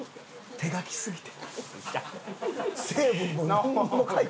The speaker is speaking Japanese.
手書きすぎて。